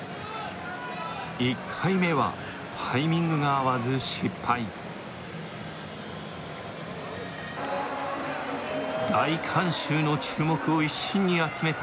１回目はタイミングが合わず失敗大観衆の注目を一身に集めた